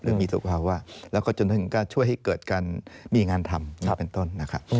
มีสุขภาวะแล้วก็จนถึงการช่วยให้เกิดการมีงานทำเป็นต้นนะครับ